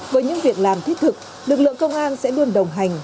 với những việc làm thiết thực lực lượng công an sẽ luôn đồng hành